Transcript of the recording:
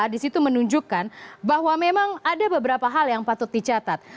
di situ menunjukkan bahwa memang ada beberapa hal yang patut dicatat